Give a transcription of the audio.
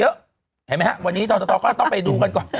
เห็นไหมฮะวันนี้ทศตก็ต้องไปดูกันก่อน